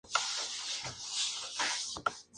Es decir la primera que se toca es la que se saca.